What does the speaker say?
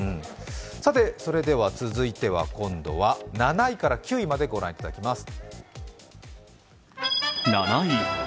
続いては７位から９位まで御覧いただきます。